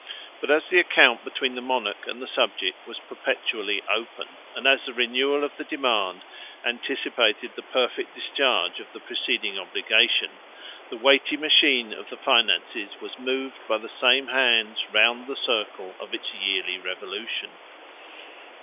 But as the account between the monarch and the subject was perpetually open, and as the renewal of the demand anticipated the perfect discharge of the preceding obligation, the weighty machine of the finances was moved by the same hands round the circle of its yearly revolution.